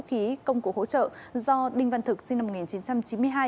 khí công cụ hỗ trợ do đinh văn thực sinh năm một nghìn chín trăm chín mươi hai